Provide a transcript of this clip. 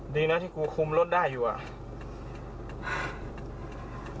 ดีนะที่กูคุมรถได้อยู่อ่ะ